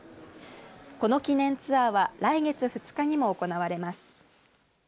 この記念ツアーは来月２日にも行われます。